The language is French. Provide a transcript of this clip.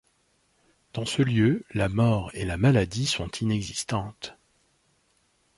Dans ce lieu, la mort et la maladie sont inexistantes.